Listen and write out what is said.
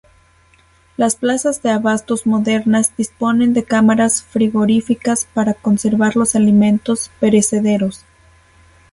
Las plazas de abastos modernas disponen de cámaras frigoríficas para conservar los alimentos perecederos.